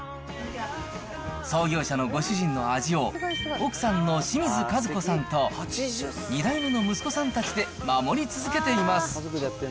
創業者のご主人の味を、奥さんの清水和子さんと２代目の息子さんたちで守り続けています。